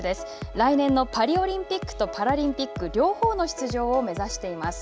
来年のパリオリンピックとパラリンピック両方の出場を目指しています。